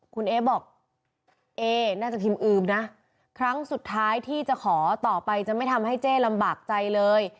คุณเอ๊บอกเอ๊น่าจะพิมพ์อือมนะครั้งสุดท้ายที่จะขอต่อไปจะไม่ทำให้เจ๊ลำบากใจเลย